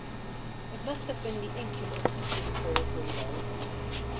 It must have been the Incubus she was so afraid of.